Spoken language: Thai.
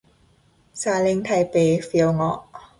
ซาเล้งไทเป เฟี๊ยวเงาะ